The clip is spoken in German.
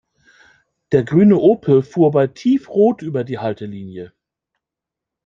Der grüne Opel fuhr bei Tiefrot über die Haltelinie.